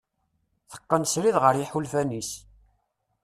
Teqqen srid ɣer yiḥulfan-is.